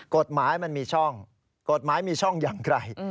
กฎหมายมันมีช่องกฎหมายมีช่องอย่างไร